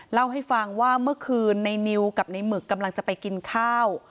เล่าให้ฟังว่าเมื่อคืนในนิวกับในหมึกกำลังจะไปกินข้าว